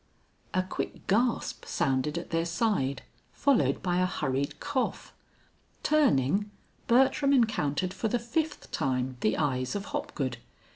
A quick gasp sounded at their side, followed by a hurried cough. Turning, Bertram encountered for the fifth time the eyes of Hopgood.